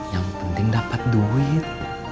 yang penting dapat duit